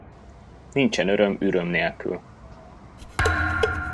Nincsen öröm üröm nélkül.